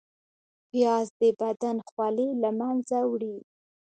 پیاز د بدن خولې له منځه وړي